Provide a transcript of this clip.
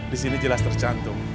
di sini jelas tercantum